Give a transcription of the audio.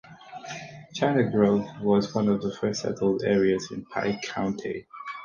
China Grove was one of the first settled areas in Pike County.